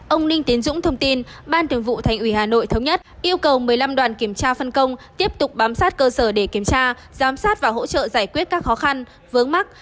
ông đinh tiến dũng thông tin ban thường vụ thành ủy hà nội thống nhất yêu cầu một mươi năm đoàn kiểm tra phân công tiếp tục bám sát cơ sở để kiểm tra giám sát và hỗ trợ giải quyết các khó khăn vướng mắt